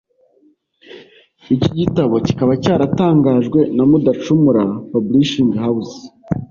Iki gitabo kikaba cyaratangajwe na Mudacumura Publishing House